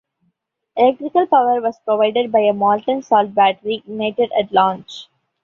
Electrical power was provided by a molten salt battery ignited at launch.